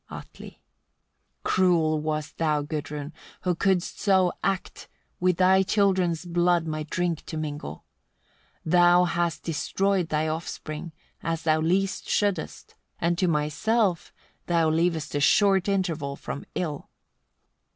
Atli. 82. Cruel wast thou, Gudrun! who couldst so act, with thy children's blood my drink to mingle. Thou hast destroyed thy offspring, as thou least shouldest; and to myself thou leavest a short interval from ill.